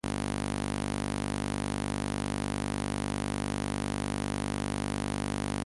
En las siguientes temporadas el equipo ha militado en la primera división nacional.